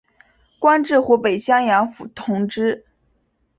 官至湖北襄阳府同知。